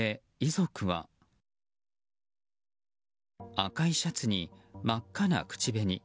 赤いシャツに、真っ赤な口紅。